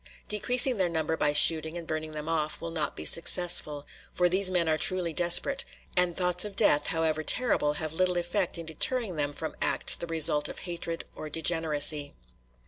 Decreasing their number by shooting and burning them off will not be successful; for these men are truly desperate, and thoughts of death, however terrible, have little effect in deterring them from acts the result of hatred or degeneracy.